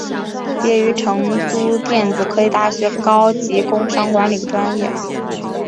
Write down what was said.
毕业于成都电子科技大学高级工商管理专业。